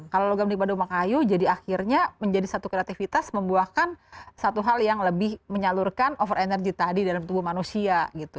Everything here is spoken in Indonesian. kalau logam di bandung kayu jadi akhirnya menjadi satu kreativitas membuahkan satu hal yang lebih menyalurkan over energy tadi dalam tubuh manusia gitu